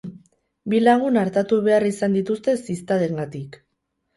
Bi lagun artatu behar izan dituzte ziztadengatik.